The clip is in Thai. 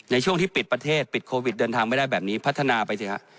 ในช่วงที่ปิดประเทศปิดโควิดเดินทางไม่ได้แบบนี้พัฒนาไปสิฮะ